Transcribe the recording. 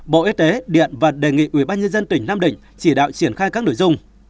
bộ y tế điện và đề nghị ubnd tỉnh nam định chỉ đạo triển khai các nội dung